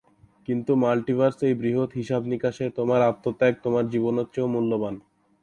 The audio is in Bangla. কিন্তু মাল্টিভার্সের এই বৃহৎ হিসাব-নিকাশে, তোমার আত্মত্যাগ তোমার জীবনের চেয়েও মূল্যবান।